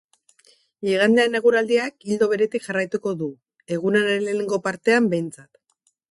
Igandean eguraldiak ildo beretik jarraituko du, egunaren lehenengo partean behintzat.